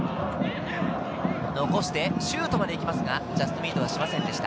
残してシュートまで行きますが、ジャストミートしませんでした。